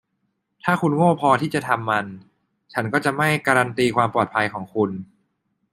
ถ้าคุณโง่พอที่จะทำมัน ฉันก็จะไม่การันตีความปลอดภัยของคุณ